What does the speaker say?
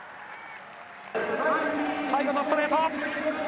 最後のストレート。